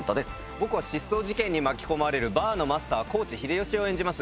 僕は失踪事件に巻き込まれるバーのマスター幸地秀吉を演じます。